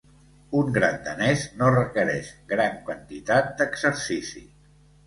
Un gran danès no requereix gran quantitat d'exercici.